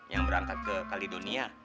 yang berangkat ke kaledonia